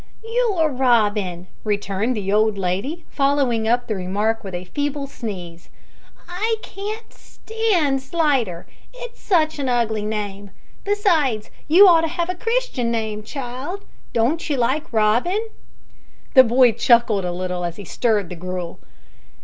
"You are Robin," returned the old lady following up the remark with a feeble sneeze. "I can't stand Slidder. It is such an ugly name. Besides, you ought to have a Christian name, child. Don't you like Robin?" The boy chuckled a little as he stirred the gruel.